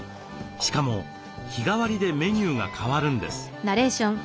しかも日替わりでメニューが変わるんです。